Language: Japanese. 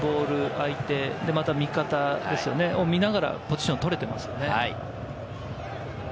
相手を見ながらポジションを取れていますね。